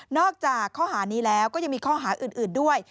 จากข้อหานี้แล้วก็ยังมีข้อหาอื่นด้วย